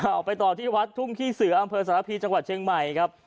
เอาไปต่อที่วัดทุ่งขี้เสืออำเภอสารพีจังหวัดเชียงใหม่ครับ